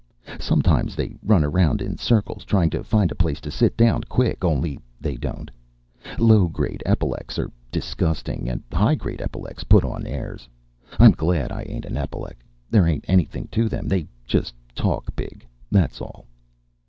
Sometimes they run around in circles trying to find a place to sit down quick, only they don't. Low grade epilecs are disgusting, and high grade epilecs put on airs. I'm glad I ain't an epilec. There ain't anything to them. They just talk big, that's all.